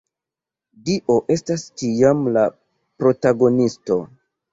Dio estas ĉiam la protagonisto.